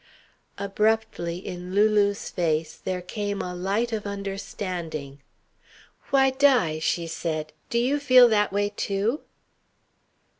Abruptly in Lulu's face there came a light of understanding. "Why, Di," she said, "do you feel that way too?"